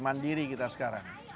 sudah mandiri kita sekarang